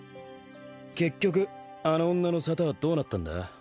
結局あの女の沙汰はどうなったんだ？